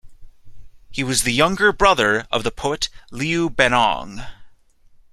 He was the younger brother of the poet Liu Bannong.